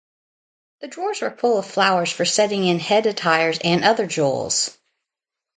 The drawers were full of flowers for setting in head attires and other jewels.